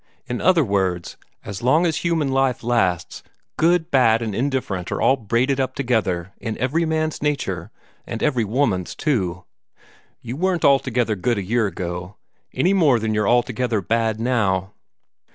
In other words, as long as human life lasts, good, bad, and indifferent are all braided up together in every man's nature, and every woman's too. You weren't altogether good a year ago, any more than you're altogether bad now.